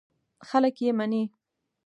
خلک یې مني.